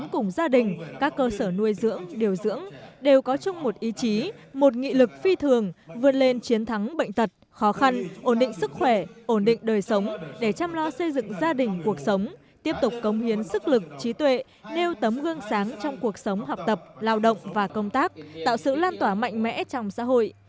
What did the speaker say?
các cơ sở nuôi dưỡng điều dưỡng đều có chung một ý chí một nghị lực phi thường vượt lên chiến thắng bệnh tật khó khăn ổn định sức khỏe ổn định đời sống để chăm lo xây dựng gia đình cuộc sống tiếp tục cống hiến sức lực trí tuệ nêu tấm gương sáng trong cuộc sống học tập lào động và công tác tạo sự lan tỏa mạnh mẽ trong xã hội